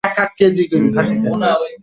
মেদিনীপুর হিন্দু স্কুলের ছাত্র ছিলেন।